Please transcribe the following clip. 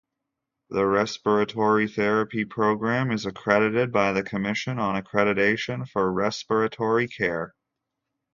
The Respiratory Therapy Program is accredited by the Commission on Accreditation for Respiratory Care.